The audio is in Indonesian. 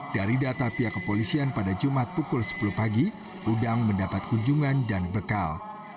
dari data pihak kepolisian pada jumat pukul sepuluh pagi udang mendapat kunjungan dan bekal